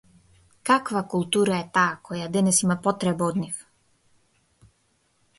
Каква култура е таа која денес има потреба од нив?